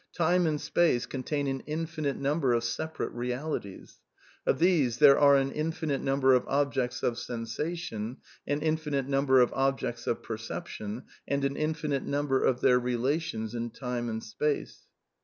] Time and space contain an infinite number of separate planes, as it were, of spatial and temporal and material realities ; of these there are an infinite number of objects of sensation, an infinite number of objects of perception, and an infinite number of their relations in time and space.